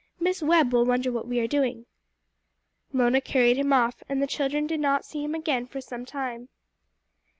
Miss Webb will wonder what we are doing." Mona carried him off, and the children did not see him again for some time.